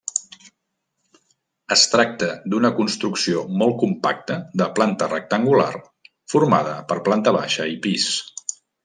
Es tracta d'una construcció molt compacta de planta rectangular, formada per planta baixa i pis.